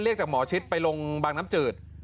เรียกจากหมอชิ้นไปลงบางน้ำจืด